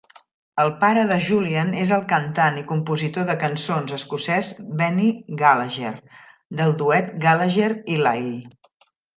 El pare de Julian és el cantant i compositor de cançons escocès Benny Gallagher, del duet Gallagher i Lyle.